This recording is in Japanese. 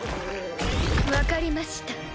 分かりました。